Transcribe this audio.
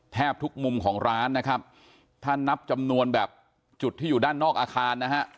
แทบทุกมุมของร้านนะครับถ้านับจำนวนแบบจุดที่อยู่ด้านนอกอาคารนะฮะ